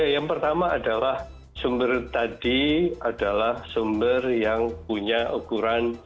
yang pertama adalah sumber tadi adalah sumber yang punya ukuran